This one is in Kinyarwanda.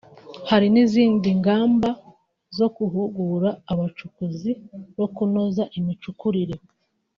Hari n’izindi ngamba zo guhugura abacukuzi no kunoza imicukurire